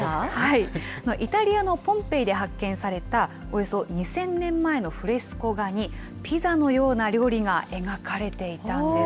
イタリアのポンペイで発見されたおよそ２０００年前のフレスコ画に、ピザのような料理が描かれていたんです。